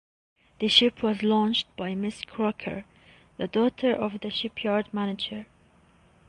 The ship was launched by Miss Crocker, the daughter of the shipyard manager.